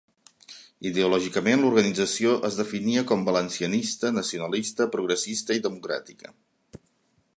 Ideològicament l'organització es definia com valencianista, nacionalista, progressista i democràtica.